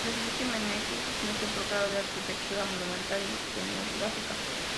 El edificio Meneses es un ejemplo claro de arquitectura monumental y escenográfica.